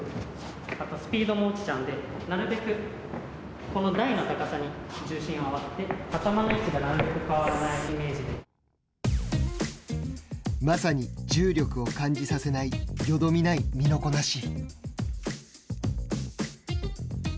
スピードも落ちちゃうので、なるべく、この台の高さに重心を合わせて、頭の位置がまさに重力を感じさせないよどみない身のこなし。